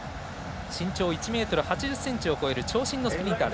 身長１ｍ８０ｃｍを超える長身のスプリンター。